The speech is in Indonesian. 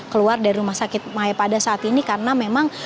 keluar dari rumah sakit mayapada saat ini karena memang